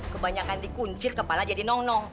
kebanyakan dikuncir kepala jadi nong nong